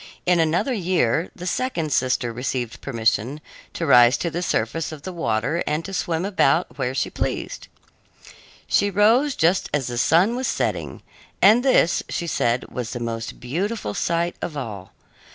In another year the second sister received permission to rise to the surface of the water and to swim about where she pleased. She rose just as the sun was setting, and this, she said, was the most beautiful sight of all.